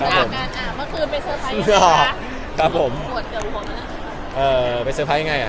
เมื่อคืนไปเซอร์ไพร์ยังไงครับ